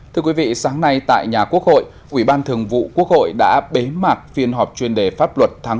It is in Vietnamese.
thưa quý vị sáng nay tại nhà quốc hội ủy ban thường vụ quốc hội đã bế mạc phiên họp chuyên đề pháp luật tháng bốn